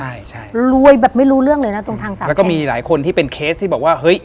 ใช่ใช่รวยแบบไม่รู้เรื่องเลยนะตรงทางศาลแล้วก็มีหลายคนที่เป็นเคสที่บอกว่าเฮ้ย